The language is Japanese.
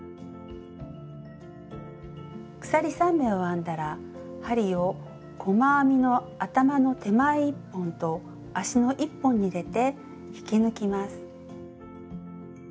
鎖３目を編んだら針を細編みの頭の手前１本と足の１本に入れて引き抜きます。